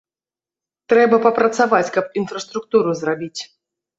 Трэба папрацаваць, каб інфраструктуру зрабіць.